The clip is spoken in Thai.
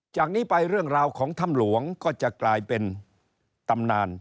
จากนี้ไปเรื่องราวของถ้ำหลวงก็จะกลายเป็นตำนาน